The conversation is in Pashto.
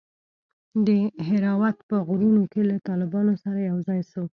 د دهراوت په غرونوکښې له طالبانو سره يوځاى سو.